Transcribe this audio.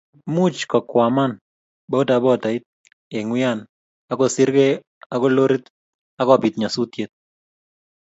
muuch kokwaman bodabodait eng wian ago sirgei ago lorit ago bit nyasusiet